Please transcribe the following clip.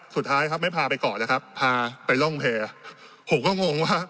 สุดท้ายครับไม่พาไปเกาะนะครับพาไปร่องแพร่ผมก็งงว่า